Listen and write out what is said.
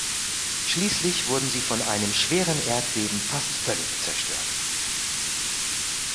Schließlich wurden sie von einem schweren Erdbeben fast völlig zerstört.